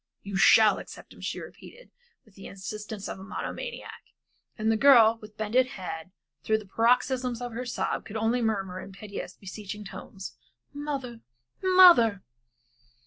"You shall accept him," she repeated with the insistence of a monomaniac. And the girl, with bended head, through the paroxysms of her sobs, could only murmur in piteous, beseeching tones, "Mother! mother!"